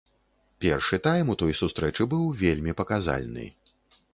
Першы тайм у той сустрэчы быў вельмі паказальны.